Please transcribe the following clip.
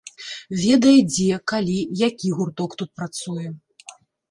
Ведае, дзе, калі, які гурток тут працуе.